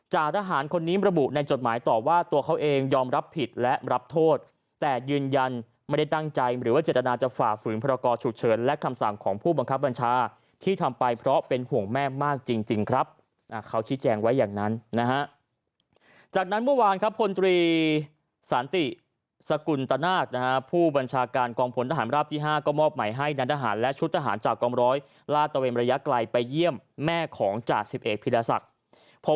จ่าทหารคนนี้ประบุในจดหมายตอบว่าตัวเขาเองยอมรับผิดและรับโทษแต่ยืนยันไม่ได้ตั้งใจหรือว่าเจตนาจะฝ่าฝืนพระราชกรฉุดเฉินและคำสั่งของผู้บังคับบัญชาที่ทำไปเพราะเป็นห่วงแม่มากจริงครับเขาชี้แจงไว้อย่างนั้นนะฮะจากนั้นเมื่อวานครับพลตรีศาลติสกุลตะนาคนะฮะผู้บัญชาการกองผ